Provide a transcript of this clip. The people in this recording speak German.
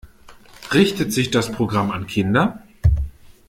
Richtet sich das Programm an Kinder?